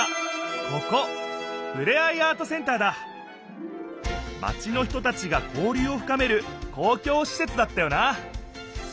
ここマチの人たちが交りゅうをふかめるこうきょうしせつだったよな。